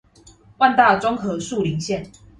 萬大中和樹林線